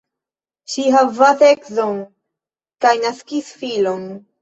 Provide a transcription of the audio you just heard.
Ŝi havas edzon kaj naskis filon.